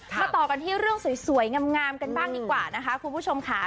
มาต่อกันที่เรื่องสวยงามกันบ้างดีกว่านะคะคุณผู้ชมค่ะ